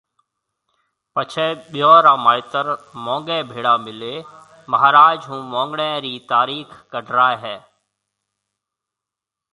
پڇيَ ٻيون را مائيتر مونگيَ ڀيڙا ملي مھاراج ھون مونگڻيَ رِي تاريخ ڪڍرائيَ ھيَََ